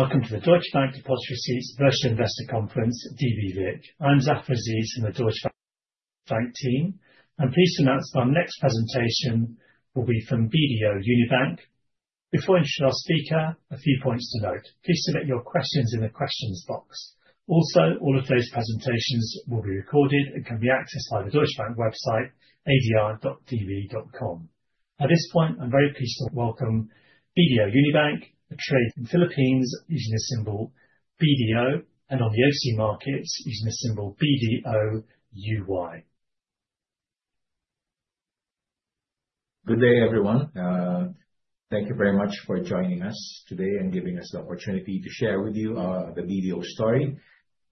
Welcome to the Deutsche Bank Depositary Receipts Virtual Investor Conference, DBVIC. I'm Zafar Aziz in the Deutsche Bank team. I'm pleased to announce that our next presentation will be from BDO Unibank. Before I introduce our speaker, a few points to note. Please submit your questions in the questions box. All of those presentations will be recorded and can be accessed by the Deutsche Bank website, adr.db.com. At this point, I'm very pleased to welcome BDO Unibank, who trade in Philippines using the symbol BDO, and on the OTC Markets using the symbol BDOUY. Good day, everyone. Thank you very much for joining us today and giving us the opportunity to share with you the BDO story.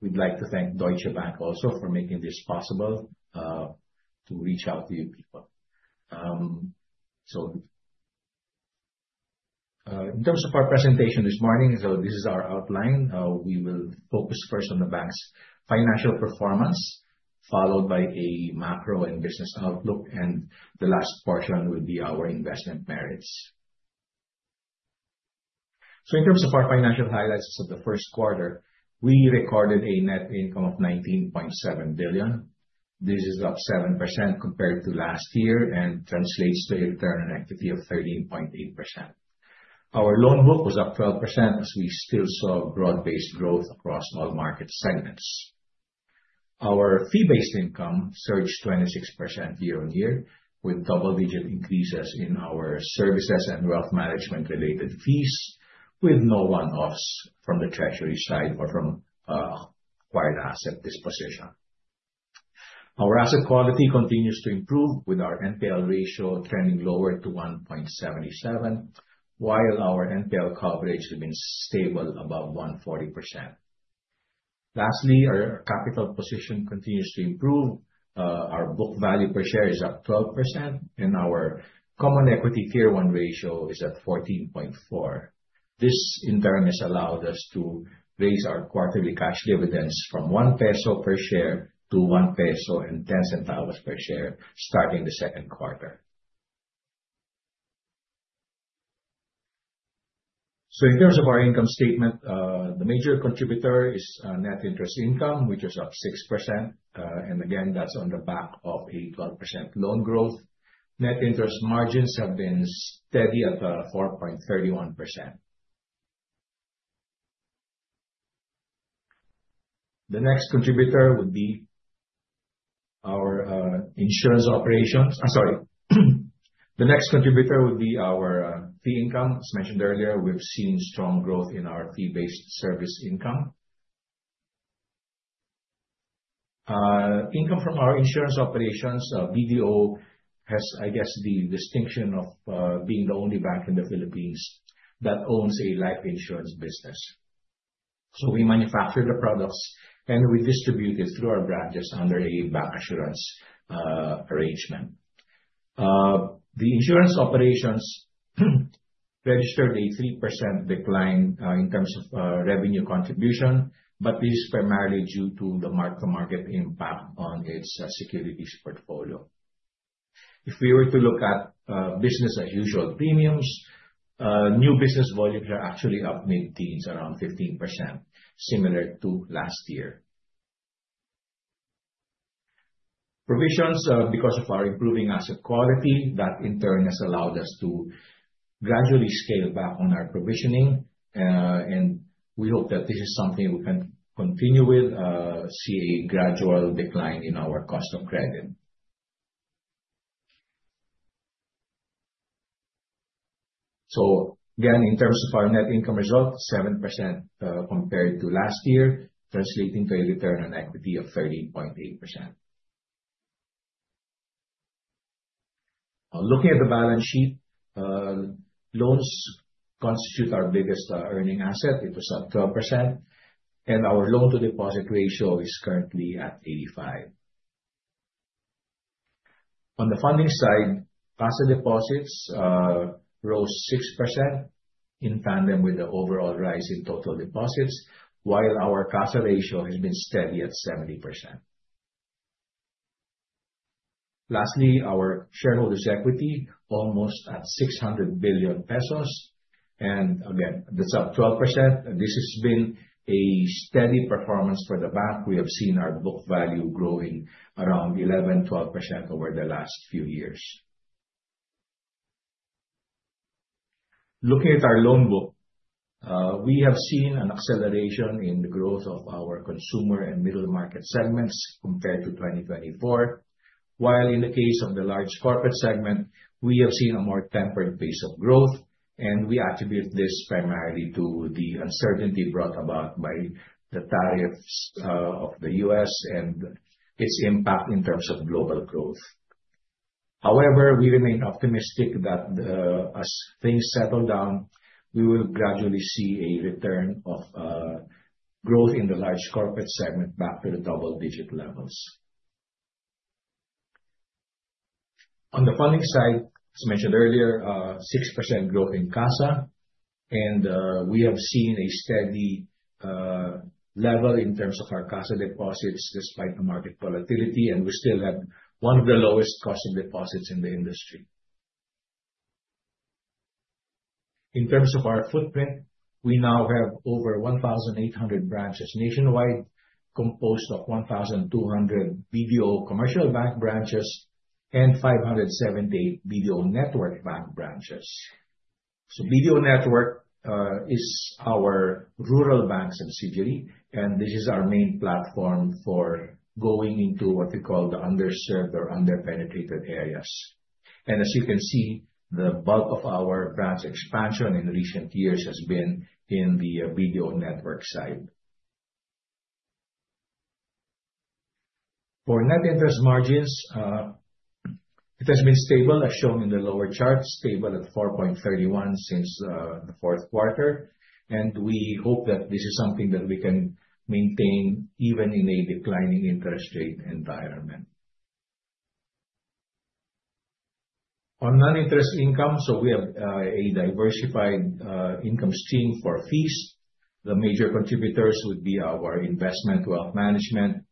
We'd like to thank Deutsche Bank also for making this possible to reach out to you people. In terms of our presentation this morning, this is our outline. We will focus first on the bank's financial performance, followed by a macro and business outlook, and the last portion will be our investment merits. In terms of our financial highlights of the first quarter, we recorded a net income of 19.7 billion. This is up 7% compared to last year and translates to a return on equity of 13.8%. Our loan book was up 12% as we still saw broad-based growth across all market segments. Our fee-based income surged 26% year-on-year, with double-digit increases in our services and wealth management-related fees, with no one-offs from the treasury side or from acquired asset disposition. Our asset quality continues to improve, with our NPL ratio trending lower to 1.77%, while our NPL coverage remains stable above 140%. Lastly, our capital position continues to improve. Our book value per share is up 12% and our common equity Tier 1 ratio is at 14.4%. This, in turn, has allowed us to raise our quarterly cash dividends from 1 peso per share to 1.10 peso per share starting the second quarter. In terms of our income statement, the major contributor is net interest income, which is up 6%. Again, that's on the back of a 12% loan growth. Net interest margins have been steady at 4.31%. The next contributor would be our insurance operations. Sorry. The next contributor would be our fee income. As mentioned earlier, we've seen strong growth in our fee-based service income. Income from our insurance operations. BDO has, I guess, the distinction of being the only bank in the Philippines that owns a life insurance business. We manufacture the products and we distribute it through our branches under a bancassurance arrangement. The insurance operations registered a 3% decline in terms of revenue contribution, but this is primarily due to the mark-to-market impact on its securities portfolio. If we were to look at business-as-usual premiums, new business volumes are actually up mid-teens, around 15%, similar to last year. Provisions, because of our improving asset quality, that in turn has allowed us to gradually scale back on our provisioning. We hope that this is something we can continue with, see a gradual decline in our cost of credit. Again, in terms of our net income result, 7% compared to last year, translating to a return on equity of 13.8%. Looking at the balance sheet, loans constitute our biggest earning asset. It was up 12% and our loan-to-deposit ratio is currently at 85%. On the funding side, CASA deposits rose 6% in tandem with the overall rise in total deposits, while our CASA ratio has been steady at 70%. Lastly, our shareholders equity, almost at 600 billion pesos. Again, that's up 12%. This has been a steady performance for the bank. We have seen our book value growing around 11%, 12% over the last few years. Looking at our loan book, we have seen an acceleration in the growth of our consumer and middle market segments compared to 2024. While in the case of the large corporate segment, we have seen a more tempered pace of growth, we attribute this primarily to the uncertainty brought about by the tariffs of the U.S. and its impact in terms of global growth. However, we remain optimistic that as things settle down, we will gradually see a return of growth in the large corporate segment back to the double-digit levels. On the funding side, as mentioned earlier, 6% growth in CASA. We have seen a steady level in terms of our CASA deposits despite the market volatility, and we still have one of the lowest cost in deposits in the industry. In terms of our footprint, we now have over 1,800 branches nationwide, composed of 1,200 BDO Commercial Bank branches and 578 BDO Network Bank branches. BDO Network is our rural bank subsidiary, and this is our main platform for going into what we call the underserved or under-penetrated areas. As you can see, the bulk of our branch expansion in recent years has been in the BDO Network side. For net interest margins, it has been stable, as shown in the lower chart, stable at 4.31% since the fourth quarter. We hope that this is something that we can maintain even in a declining interest rate environment. On non-interest income, we have a diversified income stream for fees. The major contributors would be our investment wealth management,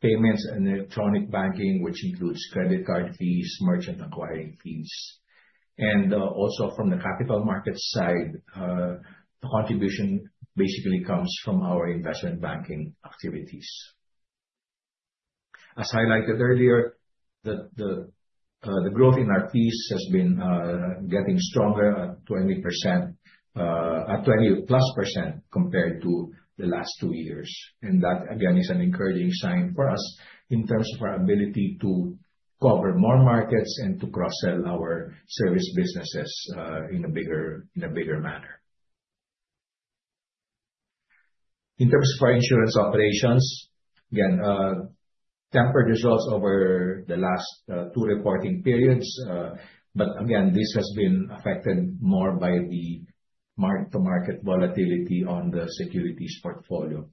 payments and electronic banking, which includes credit card fees, merchant acquiring fees. Also from the capital market side, the contribution basically comes from our investment banking activities. As highlighted earlier, the growth in our fees has been getting stronger at 20+% compared to the last two years. That, again, is an encouraging sign for us in terms of our ability to cover more markets and to cross-sell our service businesses in a bigger manner. In terms of our insurance operations, again, tempered results over the last two reporting periods. Again, this has been affected more by the mark-to-market volatility on the securities portfolio.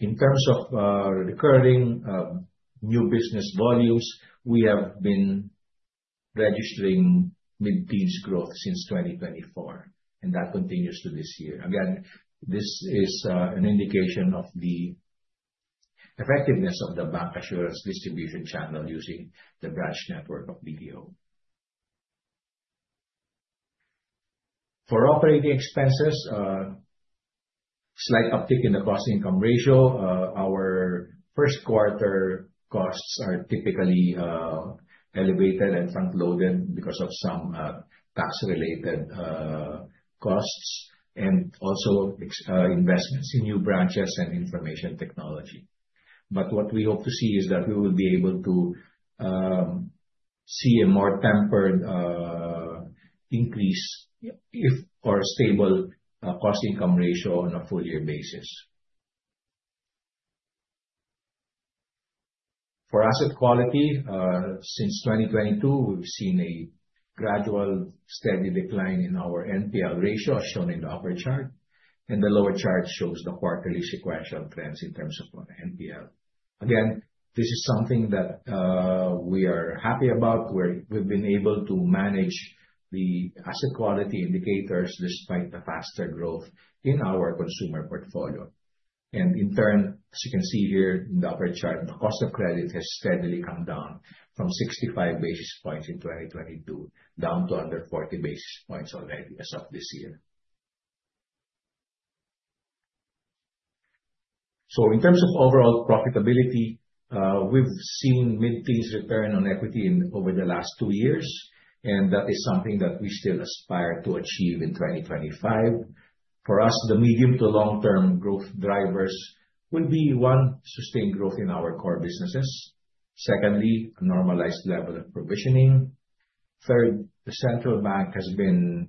In terms of recurring new business volumes, we have been registering mid-teens growth since 2024, and that continues to this year. Again, this is an indication of the effectiveness of the bancassurance distribution channel using the branch network of BDO. For operating expenses, slight uptick in the cost-income ratio. Our first quarter costs are typically elevated and front-loaded because of some tax-related costs and also investments in new branches and information technology. What we hope to see is that we will be able to see a more tempered increase if, or a stable cost income ratio on a full year basis. For asset quality, since 2022, we've seen a gradual, steady decline in our NPL ratio, as shown in the upper chart, and the lower chart shows the quarterly sequential trends in terms of NPL. This is something that we are happy about, where we've been able to manage the asset quality indicators despite the faster growth in our consumer portfolio. In turn, as you can see here in the upper chart, the cost of credit has steadily come down from 65 basis points in 2022, down to under 40 basis points already as of this year. In terms of overall profitability, we've seen mid-teens return on equity over the last two years, and that is something that we still aspire to achieve in 2025. For us, the medium to long-term growth drivers will be, one, sustained growth in our core businesses. Secondly, a normalized level of provisioning. Third, the central bank has been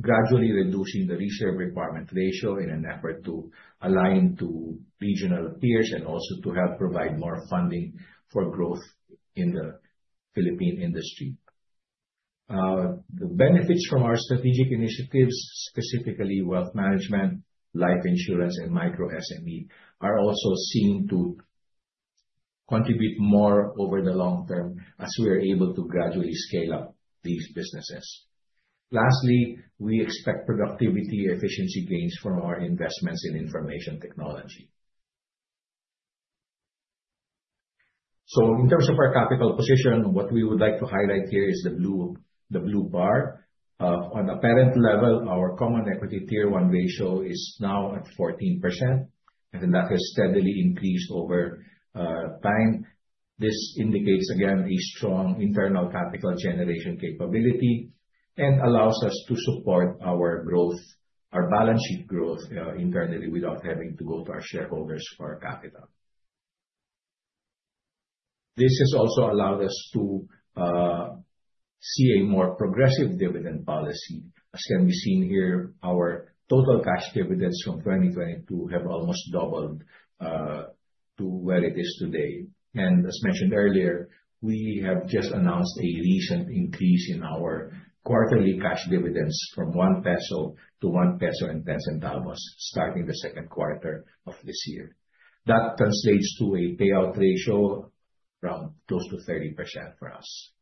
gradually reducing the reserve requirement ratio in an effort to align to regional peers and also to help provide more funding for growth in the Philippine industry. The benefits from our strategic initiatives, specifically wealth management, life insurance, and micro SME, are also seen to contribute more over the long term as we are able to gradually scale up these businesses. Lastly, we expect productivity efficiency gains from our investments in information technology. In terms of our capital position, what we would like to highlight here is the blue bar. On a parent level, our common equity Tier 1 ratio is now at 14%, and that has steadily increased over time. This indicates a strong internal capital generation capability and allows us to support our growth, our balance sheet growth internally without having to go to our shareholders for capital. This has also allowed us to see a more progressive dividend policy. As can be seen here, our total cash dividends from 2022 have almost doubled to where it is today. As mentioned earlier, we have just announced a recent increase in our quarterly cash dividends from 1 peso to 1.10 peso starting the second quarter of this year. That translates to a payout ratio around close to 30% for us.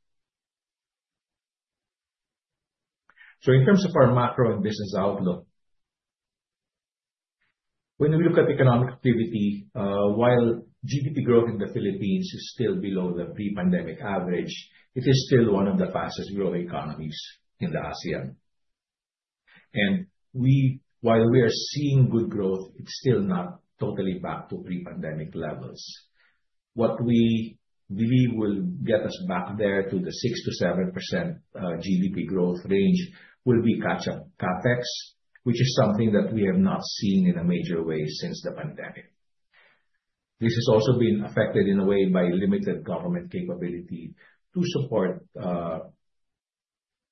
In terms of our macro and business outlook, when we look at economic activity, while GDP growth in the Philippines is still below the pre-pandemic average, it is still one of the fastest-growing economies in the ASEAN. While we are seeing good growth, it's still not totally back to pre-pandemic levels. What we believe will get us back there to the 6%-7% GDP growth range will be catch-up CapEx, which is something that we have not seen in a major way since the pandemic. This has also been affected in a way by limited government capability to support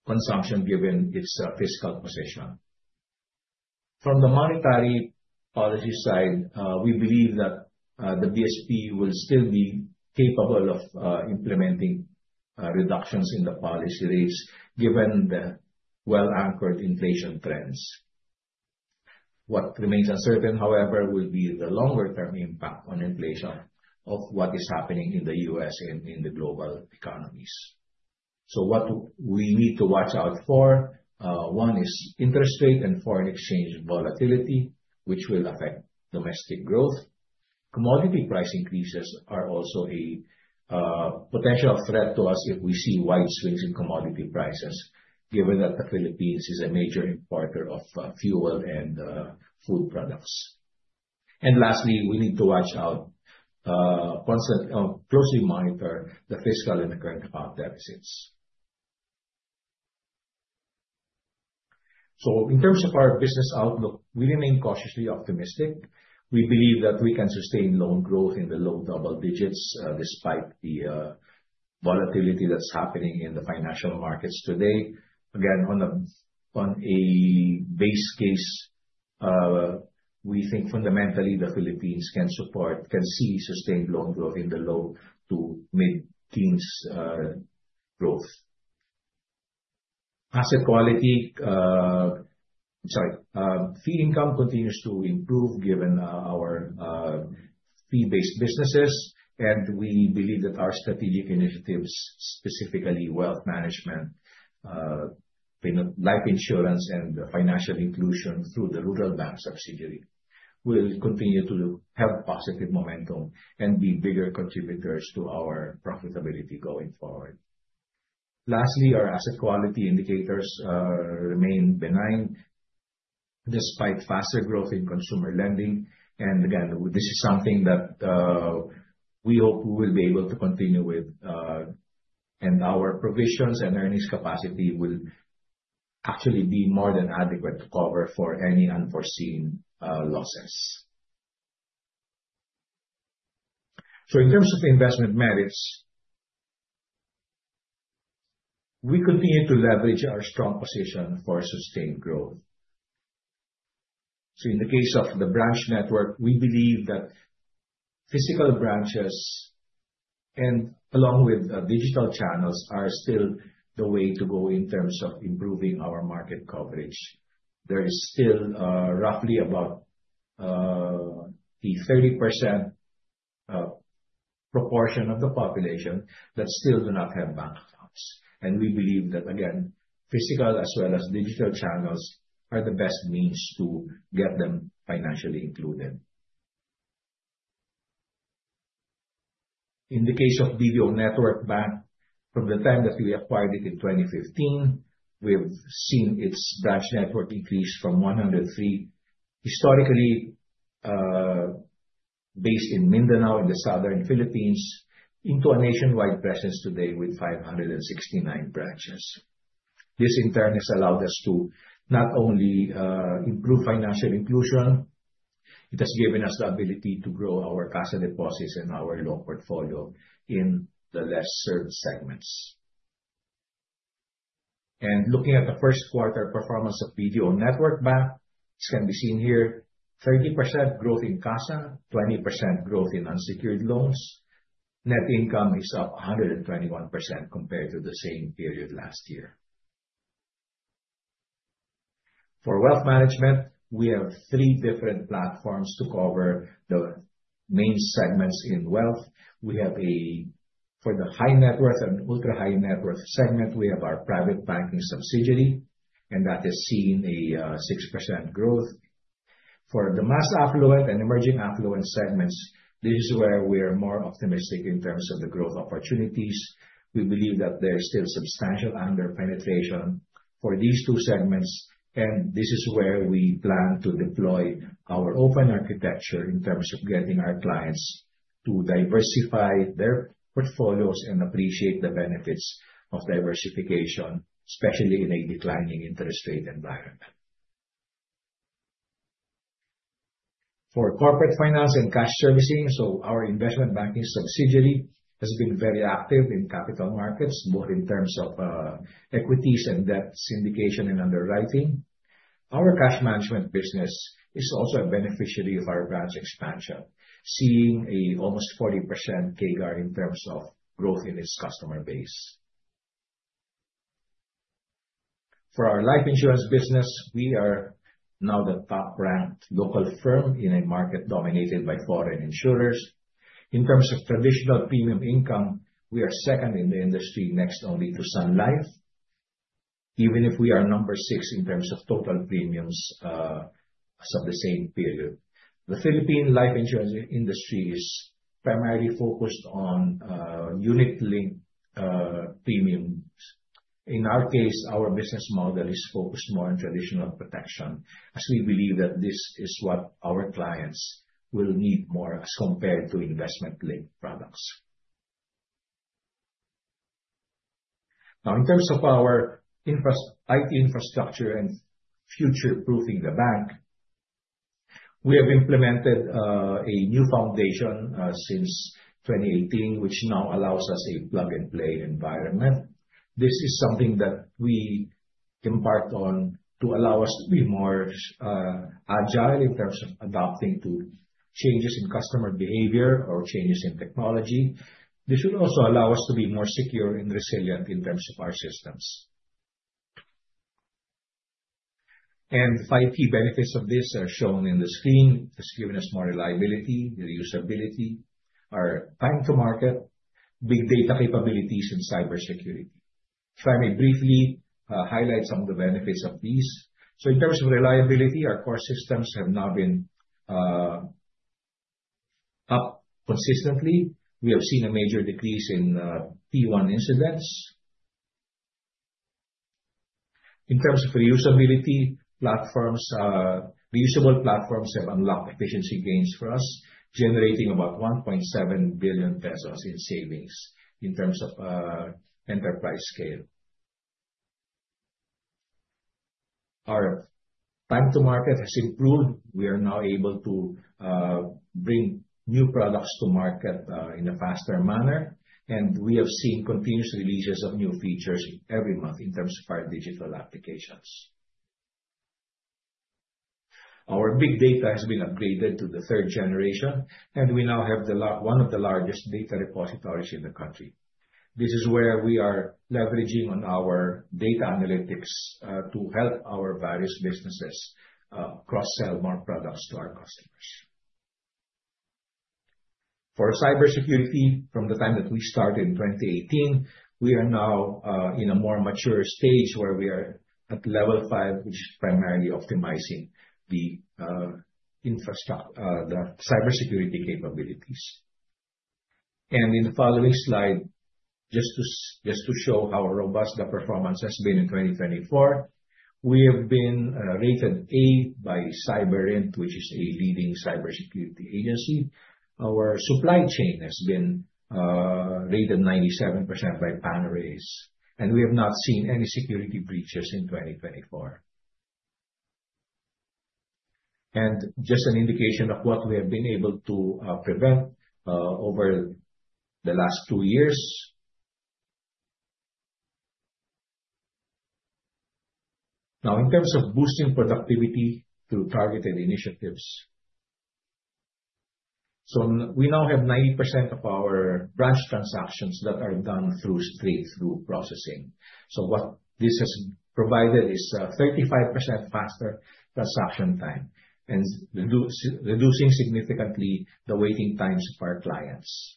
consumption, given its fiscal position. From the monetary policy side, we believe that the BSP will still be capable of implementing reductions in the policy rates given the well-anchored inflation trends. What remains uncertain, however, will be the longer-term impact on inflation of what is happening in the U.S. and in the global economies. What we need to watch out for, one is interest rate and foreign exchange volatility, which will affect domestic growth. Commodity price increases are also a potential threat to us if we see wide swings in commodity prices, given that the Philippines is a major importer of fuel and food products. Lastly, we need to closely monitor the fiscal and current account deficits. In terms of our business outlook, we remain cautiously optimistic. We believe that we can sustain loan growth in the low double digits, despite the volatility that's happening in the financial markets today. Again, on a base case, we think fundamentally, the Philippines can see sustained loan growth in the low to mid-teens growth. Sorry. Fee income continues to improve given our fee-based businesses. We believe that our strategic initiatives, specifically wealth management, life insurance, and financial inclusion through the Rural Bank subsidiary, will continue to have positive momentum and be bigger contributors to our profitability going forward. Lastly, our asset quality indicators remain benign despite faster growth in consumer lending. Again, this is something that we hope we will be able to continue with, and our provisions and earnings capacity will actually be more than adequate to cover for any unforeseen losses. In terms of investment merits, we continue to leverage our strong position for sustained growth. In the case of the branch network, we believe that physical branches and along with digital channels, are still the way to go in terms of improving our market coverage. There is still roughly about a 30% proportion of the population that still do not have bank accounts. We believe that, again, physical as well as digital channels are the best means to get them financially included. In the case of BDO Network Bank, from the time that we acquired it in 2015, we've seen its branch network increase from 103, historically, based in Mindanao, in the southern Philippines, into a nationwide presence today with 569 branches. This in turn has allowed us to not only improve financial inclusion, it has given us the ability to grow our CASA deposits and our loan portfolio in the less-served segments. Looking at the first quarter performance of BDO Network Bank, as can be seen here, 30% growth in CASA, 20% growth in unsecured loans. Net income is up 121% compared to the same period last year. For wealth management, we have three different platforms to cover the main segments in wealth. For the high-net worth and ultra-high-net worth segment, we have our private banking subsidiary, and that has seen a 6% growth. For the mass affluent and emerging affluent segments, this is where we are more optimistic in terms of the growth opportunities. We believe that there is still substantial under-penetration for these two segments. This is where we plan to deploy our open architecture in terms of getting our clients to diversify their portfolios and appreciate the benefits of diversification, especially in a declining interest rate environment. For corporate finance and cash servicing, our investment banking subsidiary has been very active in capital markets, both in terms of equities and debt syndication and underwriting. Our cash management business is also a beneficiary of our branch expansion, seeing almost a 40% CAGR in terms of growth in its customer base. For our life insurance business, we are now the top-ranked local firm in a market dominated by foreign insurers. In terms of traditional premium income, we are second in the industry next only to Sun Life. Even if we are number 6 in terms of total premiums as of the same period. The Philippine life insurance industry is primarily focused on unit-linked premiums. In our case, our business model is focused more on traditional protection, as we believe that this is what our clients will need more as compared to investment-linked products. In terms of our IT infrastructure and future-proofing the bank, we have implemented a new foundation since 2018, which now allows us a plug-and-play environment. This is something that we embarked on to allow us to be more agile in terms of adapting to changes in customer behavior or changes in technology. This should also allow us to be more secure and resilient in terms of our systems. Five key benefits of this are shown in the screen. It's given us more reliability, reusability, our time to market, big data capabilities, and cybersecurity. If I may briefly highlight some of the benefits of these. In terms of reliability, our core systems have now been up consistently. We have seen a major decrease in P1 incidents. In terms of reusability, reusable platforms have unlocked efficiency gains for us, generating about 1.7 billion pesos in savings in terms of enterprise scale. Our time to market has improved. We are now able to bring new products to market in a faster manner. We have seen continuous releases of new features every month in terms of our digital applications. Our big data has been upgraded to the 3rd generation. We now have one of the largest data repositories in the country. This is where we are leveraging on our data analytics to help our various businesses cross-sell more products to our customers. For cybersecurity, from the time that we started in 2018, we are now in a more mature stage where we are at level 5, which is primarily optimizing the cybersecurity capabilities. In the following slide, just to show how robust the performance has been in 2024. We have been rated A by Cyberint, which is a leading cybersecurity agency. Our supply chain has been rated 97% by Panorays. We have not seen any security breaches in 2024. Just an indication of what we have been able to prevent over the last two years. In terms of boosting productivity through targeted initiatives, we now have 90% of our branch transactions that are done through straight-through processing. What this has provided is a 35% faster transaction time and reducing significantly the waiting times of our clients.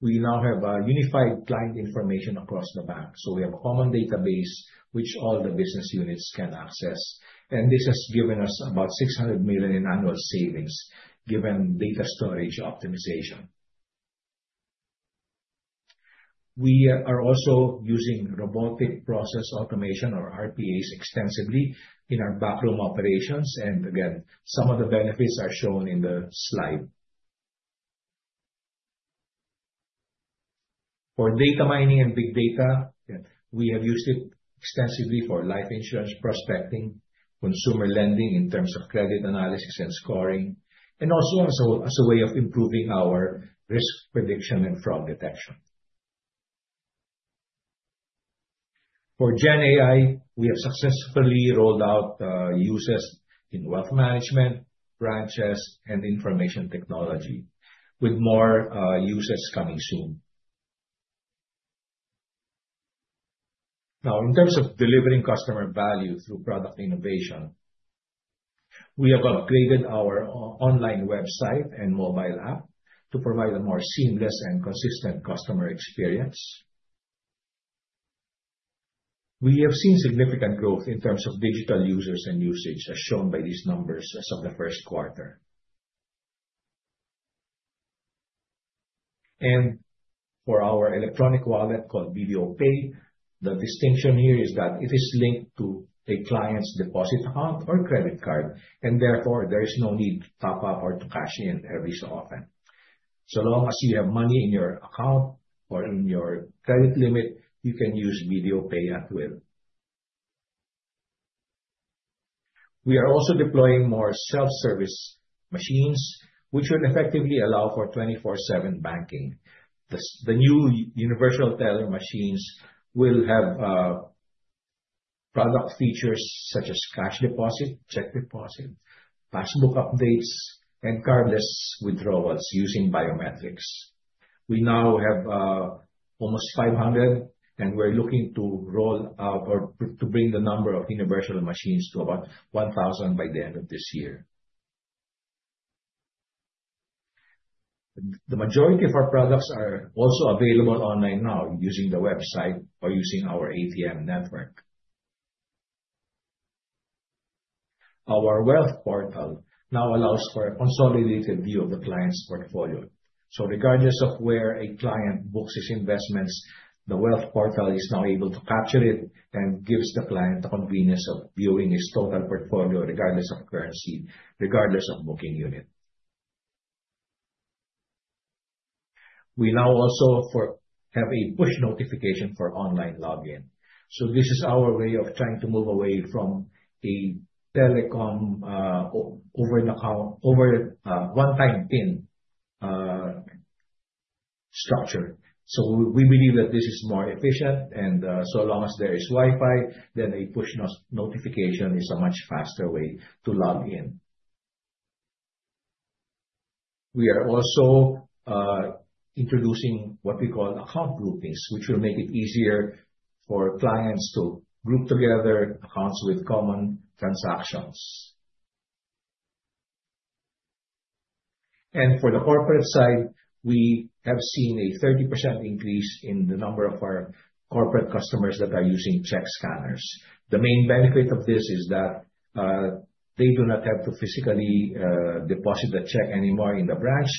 We now have a unified client information across the bank. We have a common database which all the business units can access, and this has given us about 600 million in annual savings, given data storage optimization. We are also using robotic process automation or RPAs extensively in our backroom operations, and again, some of the benefits are shown in the slide. For data mining and big data, we have used it extensively for life insurance prospecting, consumer lending in terms of credit analysis and scoring, and also as a way of improving our risk prediction and fraud detection. For GenAI, we have successfully rolled out uses in wealth management, branches, and information technology, with more uses coming soon. In terms of delivering customer value through product innovation, we have upgraded our online website and mobile app to provide a more seamless and consistent customer experience. We have seen significant growth in terms of digital users and usage, as shown by these numbers as of the first quarter. For our electronic wallet called BDO Pay, the distinction here is that it is linked to a client's deposit account or credit card, and therefore, there is no need to top up or to cash in every so often. Long as you have money in your account or in your credit limit, you can use BDO Pay at will. We are also deploying more self-service machines, which would effectively allow for 24/7 banking. The new universal teller machines will have product features such as cash deposit, check deposit, passbook updates, and cardless withdrawals using biometrics. We now have almost 500, and we're looking to roll out or to bring the number of universal machines to about 1,000 by the end of this year. The majority of our products are also available online now using the website or using our ATM network. Our wealth portal now allows for a consolidated view of the client's portfolio. Regardless of where a client books his investments, the wealth portal is now able to capture it and gives the client the convenience of viewing his total portfolio, regardless of currency, regardless of booking unit. We now also have a push notification for online login. This is our way of trying to move away from the telecom, over one-time PIN structure. We believe that this is more efficient and so long as there is Wi-Fi, then a push notification is a much faster way to log in. We are also introducing what we call account groupings, which will make it easier for clients to group together accounts with common transactions. For the corporate side, we have seen a 30% increase in the number of our corporate customers that are using check scanners. The main benefit of this is that they do not have to physically deposit the check anymore in the branch.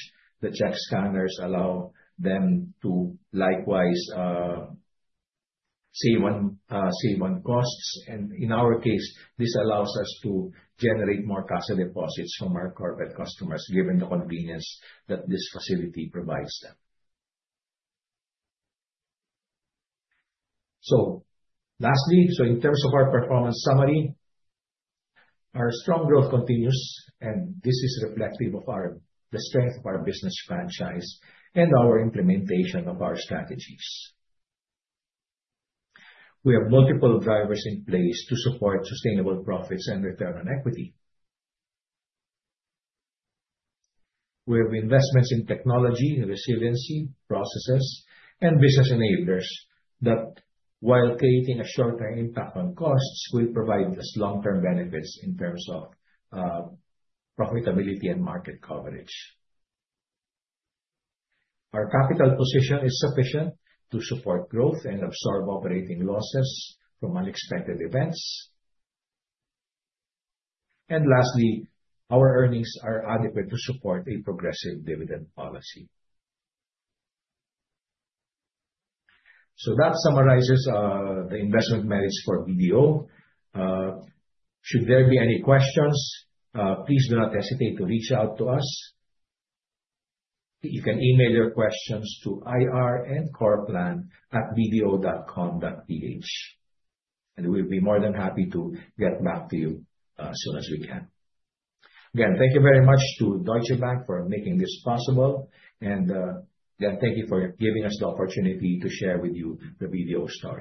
The check scanners allow them to likewise save on costs. In our case, this allows us to generate more cash deposits from our corporate customers, given the convenience that this facility provides them. Lastly, in terms of our performance summary, our strong growth continues, and this is reflective of the strength of our business franchise and our implementation of our strategies. We have multiple drivers in place to support sustainable profits and return on equity. We have investments in technology, resiliency, processes, and business enablers that while creating a short-term impact on costs, will provide us long-term benefits in terms of profitability and market coverage. Our capital position is sufficient to support growth and absorb operating losses from unexpected events. Lastly, our earnings are adequate to support a progressive dividend policy. That summarizes the investment merits for BDO. Should there be any questions, please do not hesitate to reach out to us. You can email your questions to irandcorplan@bdo.com.ph, and we'll be more than happy to get back to you as soon as we can. Again, thank you very much to Deutsche Bank for making this possible. Again, thank you for giving us the opportunity to share with you the BDO story